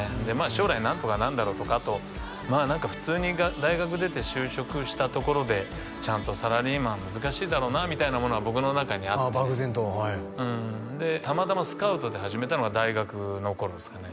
将来何とかなるだろうとかあと何か普通に大学出て就職したところでちゃんとサラリーマン難しいだろうなみたいなものは僕の中にあったりああ漠然とはいたまたまスカウトで始めたのが大学の頃ですかね